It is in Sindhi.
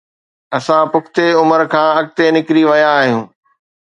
اسان پختي عمر کان اڳتي نڪري ويا آهيون.